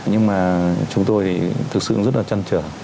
nhưng mà chúng tôi thì thực sự rất là chăn trở